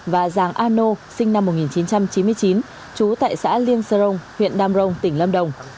và giàng a nô sinh năm một nghìn chín trăm chín mươi chín trú tại xã liên sơ rồng huyện đam rồng tỉnh lâm đồng